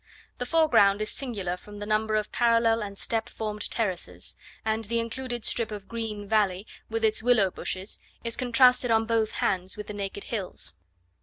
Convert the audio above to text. The foreground is singular from the number of parallel and step formed terraces; and the included strip of green valley, with its willow bushes, is contrasted on both hands with the naked hills.